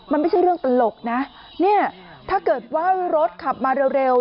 มันไม่ใช่เรื่องตลกนะเนี่ยถ้าเกิดว่ารถขับมาเร็ว